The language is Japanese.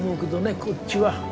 こっちは。